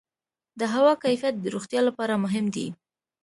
د هوا کیفیت د روغتیا لپاره مهم دی.